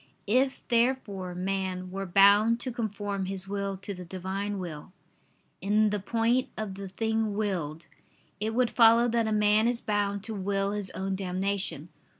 If therefore man were bound to conform his will to the Divine will, in the point of the thing willed, it would follow that a man is bound to will his own damnation.